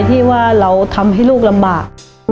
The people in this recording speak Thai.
ที่ว่าเราทำให้ลูกลำบาก